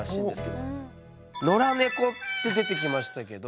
「野良猫」って出てきましたけど。